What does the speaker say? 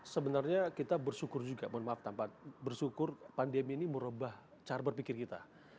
sebenarnya kita bersyukur juga mohon maaf tanpa bersyukur pandemi ini merubah cara berpikir kita